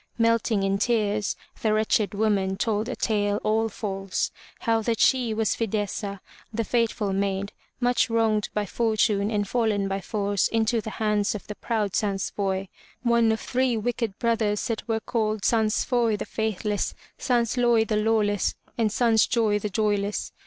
Melting in tears the wretched woman 20 FROM THE TOWER WINDOW told a tale all false, how that she was Fi des'sa, the faithful maid, much wronged by fortune and fallen by force into the hands of the proud Sans foy', one of three wicked brothers that were called Sans foy', the faithless, Sans loy' the lawless, and Sans joy', the joyless.